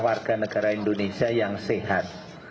warga negara indonesia yang sehat